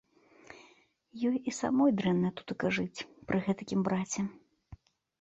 Ёй і самой дрэнна тутака жыць пры гэтакім браце.